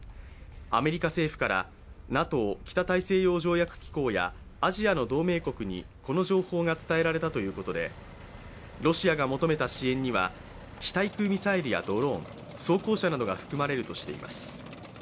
アメリカ政府からＮＡＴＯ＝北大西洋条約機構やアジアの同盟国にこの情報が伝えられたということでロシアが求めた支援には地対空ミサイルやドローン、装甲車などが含まれるとしています。